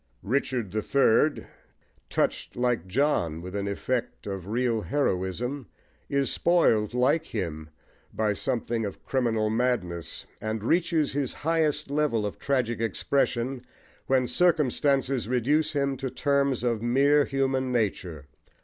Richard the Third, touched, like John, with an effect of real heroism, is spoiled like him by something of criminal madness, and reaches his highest level of tragic expression when circumstances reduce him to terms of mere human nature.